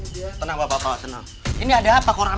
bae rev sudah bekerja